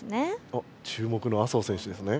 あっ注目の朝生選手ですね。